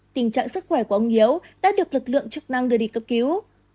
tình trạng sức khỏe của ông hiếu đã được lực lượng chức năng đưa đi cấp cứu